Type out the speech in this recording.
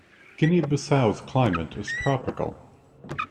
Guinea-Bissau's climate is tropical.